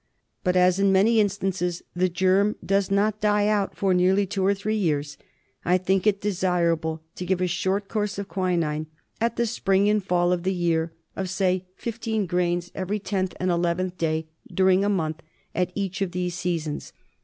But as in many instances the germ does not die out for some two or three years, I think it desirable to give a short course of quinine, at the spring and the fall of the year, of say fifteen grains every tenth and eleventh day during a month at each of these seasons.